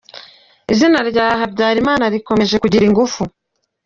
Izina rya Habyalimana rikomeje kugira ingufu